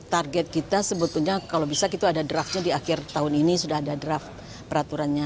target kita sebetulnya kalau bisa kita ada draftnya di akhir tahun ini sudah ada draft peraturannya